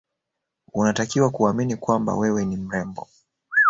unatakiwa kuamini kwamba wewe ni mrembo